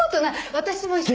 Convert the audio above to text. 私も一緒に。